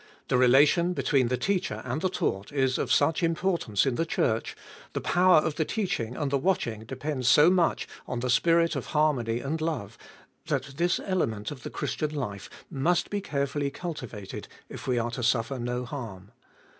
The relation between the teacher and the taught is of such importance in the Church, the power of the teaching and the watching depends so much on the spirit of harmony and love, that this element of the Christian life must be carefully cultivated if we are to suffer no harm.